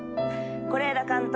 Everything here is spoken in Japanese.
是枝監督。